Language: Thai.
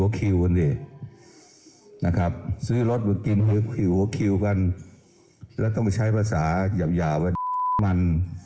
คิวหัวคิวกันและต้องใช้ภาษาหย่าว่ามัน